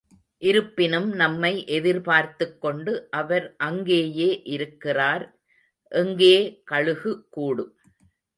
இருப்பினும், நம்மை எதிர்பார்த்துக் கொண்டு அவர் அங்கேயே இருக்கிறார். எங்கே! கழுகுக்கூடு.